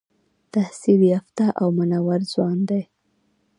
تحصیل یافته او منور ځوان دی.